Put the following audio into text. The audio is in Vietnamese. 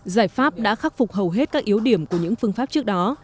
giải pháp đã khắc phục hầu hết các yếu điểm của những phương pháp trước đó